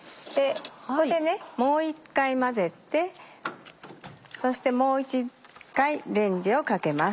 ここでねもう１回混ぜてそしてもう１回レンジをかけます。